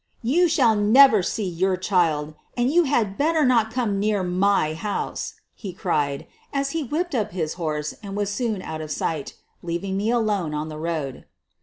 "You shall never see your child, and you had better not come near my house," he cried as he whipped up his horse and was soon out of sight, leaving me alone on the road.